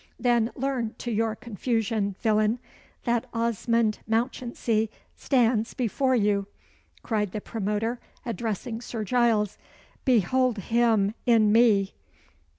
"Then learn to your confusion, villain, that Osmond Mounchensey stands before you!" cried the promoter, addressing Sir Giles. "Behold him in me!"